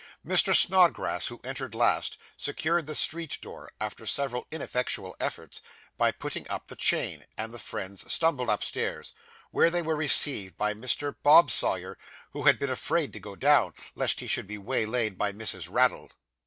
Mr. Snodgrass, who entered last, secured the street door, after several ineffectual efforts, by putting up the chain; and the friends stumbled upstairs, where they were received by Mr. Bob Sawyer, who had been afraid to go down, lest he should be waylaid by Mrs. Raddle.